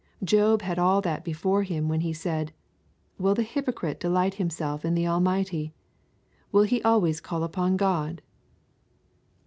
Job had all that before him when he said, 'Will the hypocrite delight himself in the Almighty? will he always call upon God?'